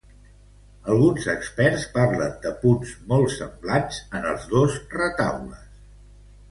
Alguns experts parlen de punts molt semblants en els dos retaules.